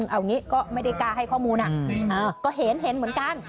เอางี้ก็ไม่ได้กล้าให้ข้อมูลก็เห็นเหมือนกัน